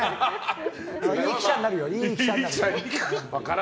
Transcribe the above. いい記者になるよ。